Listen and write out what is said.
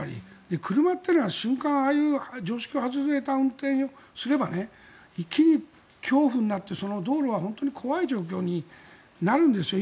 車というのは瞬間ああいう常識外れた運転をすれば一気に恐怖になって道路が本当に怖い状況になるんですよ。